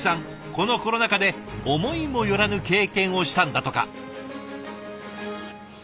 このコロナ禍で思いもよらぬ経験をしたんだとか。